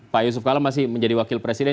pak yusuf kala masih menjadi wakil presiden